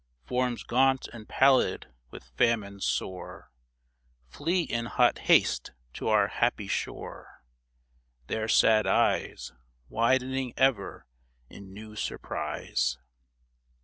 Forms gaunt and pallid with famine sore Flee in hot haste to our happy shore, Their sad eyes Widening ever in new surprise.